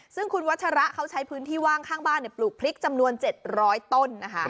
ซึ่งคุณวัชระเขาใช้พื้นที่ว่างข้างบ้านปลูกพริกจำนวน๗๐๐ต้นนะคะ